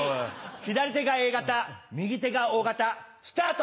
左手がＡ型右手がＯ型スタート！